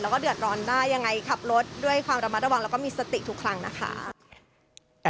แล้วก็เดือดร้อนได้ยังไงขับรถด้วยความระมัดระวังแล้วก็มีสติทุกครั้งนะคะ